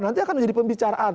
nanti akan menjadi pembicaraan